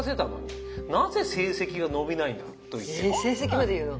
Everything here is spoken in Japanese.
更にえ成績まで言うの？